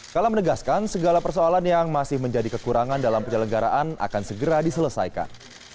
kala menegaskan segala persoalan yang masih menjadi kekurangan dalam penyelenggaraan akan segera diselesaikan